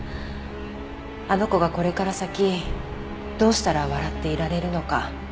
あの子がこれから先どうしたら笑っていられるのか。